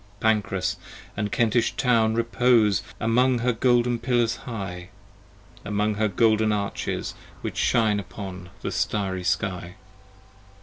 Pancrass & Kentish town repose Among her golden pillars high: Among her golden arches which Shine upon the starry sky.